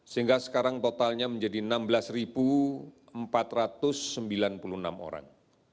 sehingga sekarang totalnya menjadi enam belas empat ratus sembilan puluh enam orang